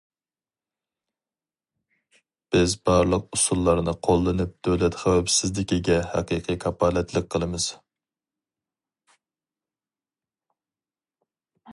بىز بارلىق ئۇسۇللارنى قوللىنىپ دۆلەت خەۋپسىزلىكىگە ھەقىقىي كاپالەتلىك قىلىمىز.